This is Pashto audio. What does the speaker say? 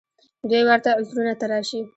دوی ورته عذرونه تراشي